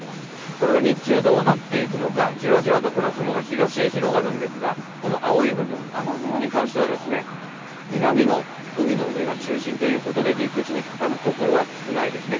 これが日中、どうなっていくのか、じわじわとこの雲が東へ広がるんですが青い部分、雨雲に関しては、南の海の上が中心ということで陸地にかかるところは少ないですね。